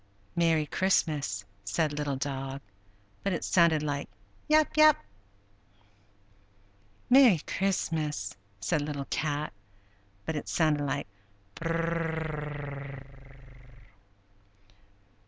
"Merry Christmas!" said Little Dog (but it sounded like "Yap! yap!"). "Merry Christmas!" said Little Cat (but it sounded like "Purrrrrrrrrrr!").